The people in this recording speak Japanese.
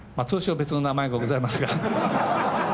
通称、別の名前もございますが。